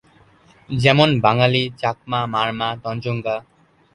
যেমন: বাঙ্গালী, চাকমা, মারমা, তঞ্চঙ্গ্যা।